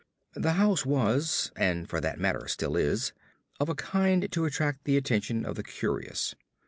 The house was and for that matter still is of a kind to attract the attention of the curious.